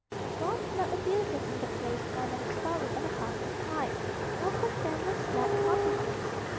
There was not a building in the place more than a story and a half in height. Most of them were slab cottages.